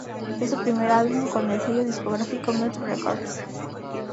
Es su primer álbum con el sello discográfico Mute Records.